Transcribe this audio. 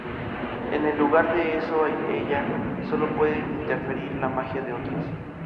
En lugar de eso ella solo puede interferir la magia de otros.